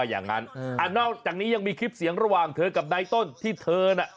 อย่างนั้นนอกจากนี้ยังมีคลิปเสียงระหว่างเธอกับนายต้นที่เธอน่ะ